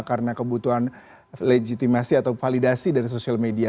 karena kebutuhan legitimasi atau validasi dari sosial media